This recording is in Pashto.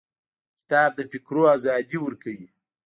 کتاب د فکرونو ازادي ورکوي.